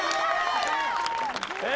え！